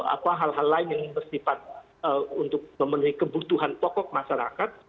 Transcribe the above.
apa hal hal lain yang bersifat untuk memenuhi kebutuhan pokok masyarakat